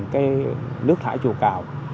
cái nước thải chùa cầu